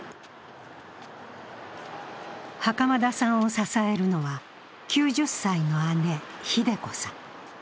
袴田さんを支えるのは、９０歳の姉、ひで子さん。